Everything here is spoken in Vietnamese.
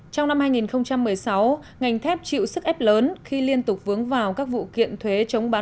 trong năm hai nghìn một mươi sáu ngành thép chịu sức ép lớn khi liên tục vướng vào các vụ kiện thuế chống bán